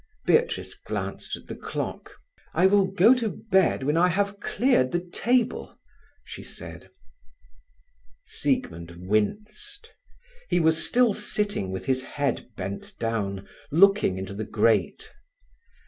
Beatrice glanced at the clock. "I will go to bed when I have cleared the table," she said. Siegmund winced. He was still sitting with his head bent down, looking in the grate.